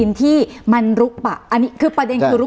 ยังไม่ได้รวมถึงกรณีว่าคุณปรินาจะได้ที่ดินเพื่อการเกษตรหรือเปล่า